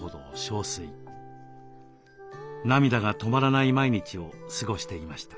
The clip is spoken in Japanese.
涙が止まらない毎日を過ごしていました。